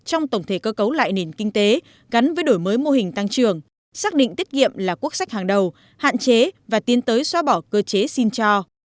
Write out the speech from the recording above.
trong tổng thể cơ cấu lại nền kinh tế gắn với đổi mới mô hình tăng trưởng xác định tiết kiệm là quốc sách hàng đầu hạn chế và tiến tới xóa bỏ cơ chế xin cho